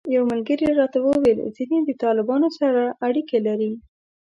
یو ملګري راته وویل ځینې د طالبانو سره اړیکې لري.